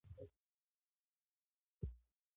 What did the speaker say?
ژبه په عمل پرمختګ کوي.